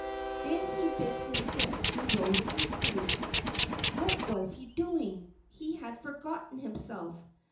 Then he bit his lip, and rose hastily. What was he doing? He had forgotten himself.